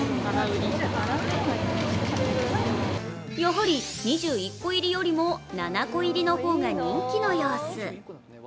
やはり２１個入りよりも７個入りの方が人気の様子。